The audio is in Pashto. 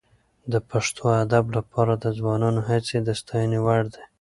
د پښتو ادب لپاره د ځوانانو هڅې د ستاینې وړ دي.